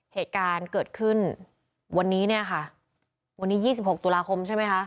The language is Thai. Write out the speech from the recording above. เหตุการณ์เกิดขึ้นวันนี้เนี่ยค่ะวันนี้๒๖ตุลาคมใช่ไหมคะ